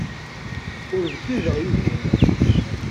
Ur bdideɣ yid-wen.